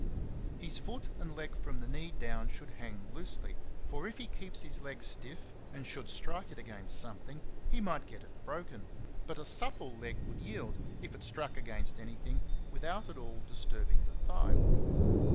His foot and leg from the knee down should hang loosely, for if he keeps his leg stiff and should strike it against something, he might get it broken; but a supple leg would yield, if it struck against anything, without at all disturbing the thigh.